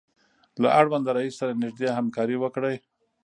له اړونده رئیس سره نږدې همکاري وکړئ.